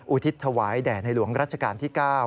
อุทิศถวายแด่ในหลวงรัชกาลที่๙